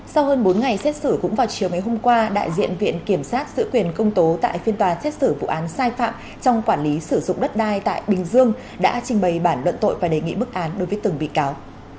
sau hơn bốn ngày xét xử cũng vào chiều ngày hôm qua đại diện viện kiểm sát giữ quyền công tố tại phiên tòa xét xử vụ án sai phạm trong quản lý sử dụng đất đai tại bình dương đã trình bày bản luận tội và đề nghị bức án đối với từng bị cáo